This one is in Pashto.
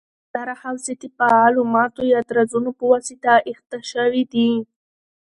زیاتره حوزې د فعالو ماتو یا درزونو پواسطه احاطه شوي دي